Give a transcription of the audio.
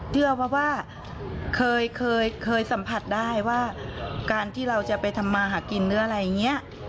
เชื่อว่าเคยสัมผัสได้ว่าการที่เราจะไปทำมาหากินหรืออะไรอย่างนี้